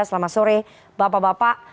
selamat sore bapak bapak